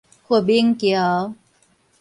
佛明橋